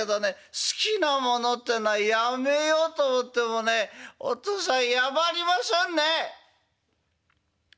好きなものってのはやめようと思ってもねお父さんやばりませんね」。